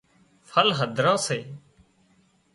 ڦل هڌران سي